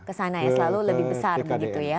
kesana ya selalu lebih besar begitu ya